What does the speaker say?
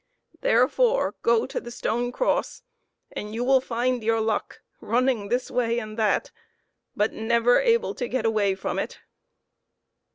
Therefore go to the stone cross and you will find your luck running this way and that, but never able to get away from it."